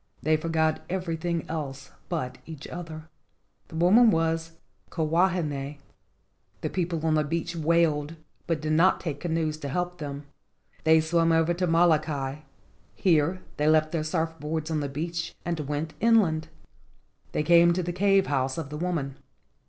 They forgot everything else but each other. This woman was Kiha wahine. PUNA AND THE DRAGON *53 The people on the beach wailed, but did not take canoes to help them. They swam over to Molokai. Here they left their surf boards on the beach and went inland. They came to the cave house of the woman.